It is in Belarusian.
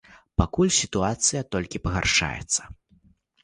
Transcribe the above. Пакуль сітуацыя толькі пагаршаецца.